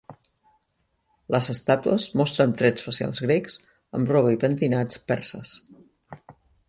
Les estàtues mostren trets facials grecs amb roba i pentinats perses.